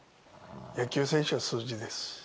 野球選手は数字です。